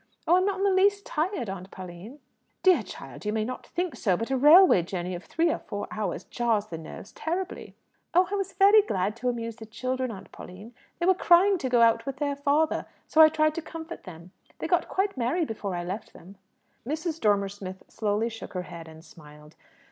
"Oh, I'm not in the least tired, Aunt Pauline." "Dear child, you may not think so; but a railway journey of three or four hours jars the nerves terribly." "Oh, I was very glad to amuse the children, Aunt Pauline. They were crying to go out with their father, so I tried to comfort them. They got quite merry before I left them." Mrs. Dormer Smith slowly shook her head and smiled.